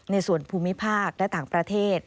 ในส่วนภูมิภาคและต่างประเทศ